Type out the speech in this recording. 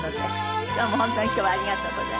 どうも本当に今日はありがとうございました。